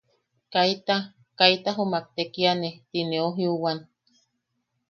Kaita kaita jumak tekiane”. Tineu jiuwan.